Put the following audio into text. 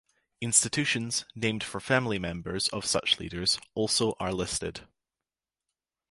Institutions named for family members of such leaders also are listed.